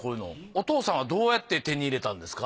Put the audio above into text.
お父さんはどうやって手に入れたんですか？